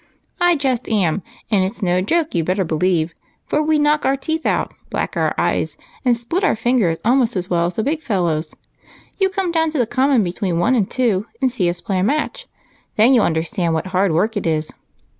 "I just am, and it's no joke you'd better believe, for we knock our teeth out, black our eyes, and split our fingers almost as well as the big fellows. You come down to the Common between one and two and see us play a match, then you'll understand what hard work it is.